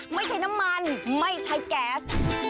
ไม่ใช้น้ำมันไม่ใช้แก๊ส